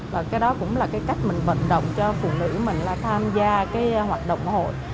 và cái đó cũng là cái cách mình vận động cho phụ nữ mình là tham gia cái hoạt động hội